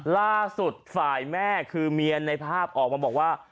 ล่าสุดฝ่ายแม่คือเมียในภาพออกมาบอกว่า